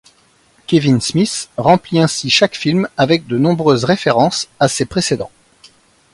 Kevin Smith remplit ainsi chaque film avec de nombreuses références à ses précédents.